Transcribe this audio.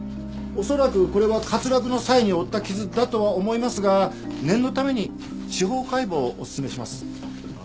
恐らくこれは滑落の際に負った傷だと思いますが念のために司法解剖をおすすめします。